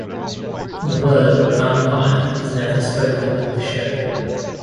The word "vampire" is never spoken in the show.